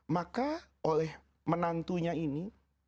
maka oleh menantunya ini